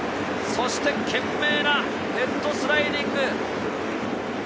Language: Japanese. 懸命なヘッドスライディング。